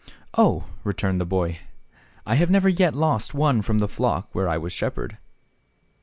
" Oh !" returned the boy, "I have never yet lost one from the flock where I was shepherd."